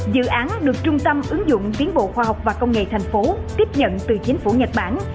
dự án được trung tâm ứng dụng tiến bộ khoa học và công nghệ thành phố tiếp nhận từ chính phủ nhật bản